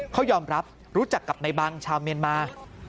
เขายอมรับรู้จักกับในบังชาวเมียนมา